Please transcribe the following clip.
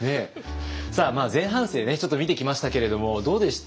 前半生ねちょっと見てきましたけれどもどうでした？